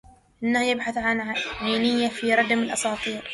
إنه يبحث عن عينيه في ردم الأساطير